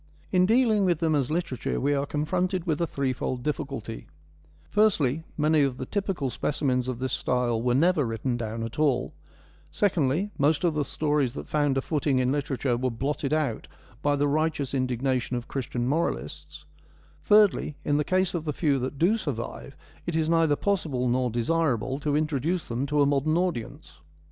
In dealing with them as literature we are confronted with a threefold difficulty : firstly, many of the most typical speci mens of this style were never written down at all ; secondly, most of the stories that found a footing in literature were blotted out by the righteous indigna tion of Christian moralists ; thirdly, in the case of the few that do survive, it is neither possible nor desirable to introduce them to a modern audience.